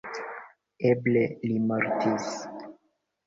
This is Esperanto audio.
Eble li mortis.